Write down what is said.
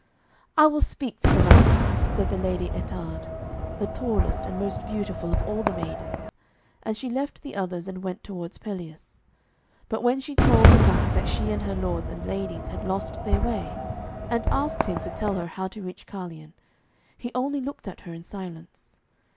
'I will speak to the knight,' said the Lady Ettarde, the tallest and most beautiful of all the maidens, and she left the others and went towards Pelleas. But when she told the knight that she and her lords and ladies had lost their way, and asked him to tell her how to reach Carleon, he only looked at her in silence.